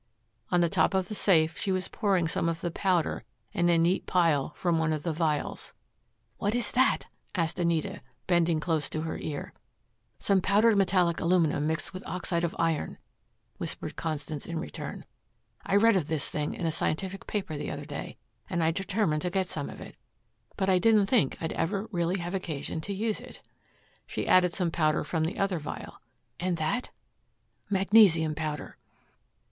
On the top of the safe she was pouring some of the powder in a neat pile from one of the vials. "What is that?" asked Anita, bending close to her ear. "Some powdered metallic aluminum mixed with oxide of iron," whispered Constance in return. "I read of this thing in a scientific paper the other day, and I determined to get some of it. But I didn't think I'd ever really have occasion to use it." She added some powder from the other vial. "And that?" "Magnesium powder."